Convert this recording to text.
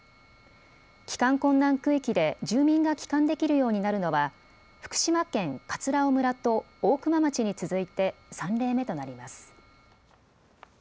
帰還困難区域で住民が帰還できるようになるのは福島県葛尾村と大熊町に続いて３例目となります。